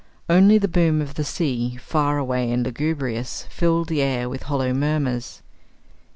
Only the boom of the sea, far away and lugubrious, filled the air with hollow murmurs.